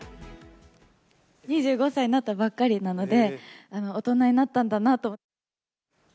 ２５歳になったばっかりなので、大人になったんだなと。